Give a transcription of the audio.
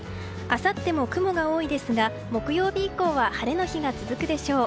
あさっても雲が多いですが木曜日以降は晴れの日が続くでしょう。